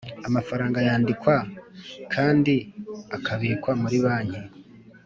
Amafaranga yandikwa kand akabikwa muri banki